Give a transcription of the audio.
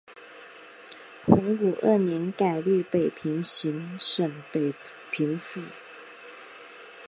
洪武二年改隶北平行省北平府。